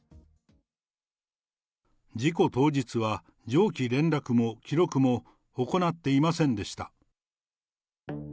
事故当日は、上記連絡も記録も、行っていませんでした。